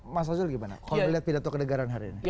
mas azul gimana kalau melihat pidato kenegaran hari ini